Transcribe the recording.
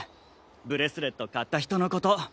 ブレスレット買った人のこと。